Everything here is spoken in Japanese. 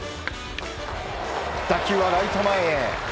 打球はライト前へ。